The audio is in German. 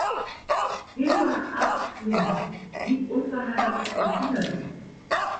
Hilma af Klint blieb unverheiratet und kinderlos.